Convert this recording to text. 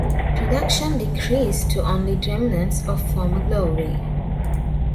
Production decreased to only remnants of former glory.